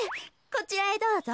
こちらへどうぞ。